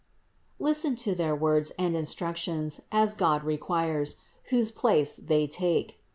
Listen to their words and instructions, as God requires, whose place they take.